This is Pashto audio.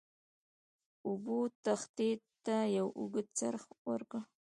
اوبو تختې ته یو اوږد څرخ ورکړ.